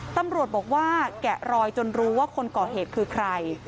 ตำรวจบอกว่าแกะรอยจนรู้ว่าคนก่อเหตุคือใคร